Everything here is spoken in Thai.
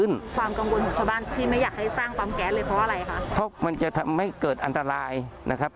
เพราะมันจะทำให้เกิดอันตรายนะครับ